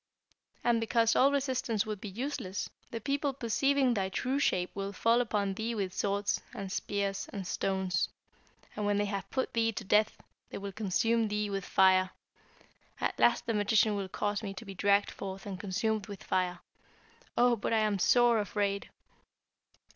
And because all resistance would be useless, the people perceiving thy true shape will fall upon thee with swords, and spears, and stones; and when they have put thee to death, they will consume thee with fire. At last the magician will cause me to be dragged forth and consumed with fire. Oh, but I am sore afraid!'